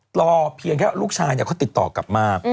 รอเพียงแค่ลูกชายเขาติดต่อกลับมา